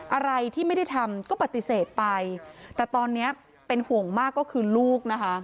อะไรที่ไม่ได้ทำก็ปฏิเสธไปแต่ตอนนี้เป็นห่วงมากก็คือลูกนะคะ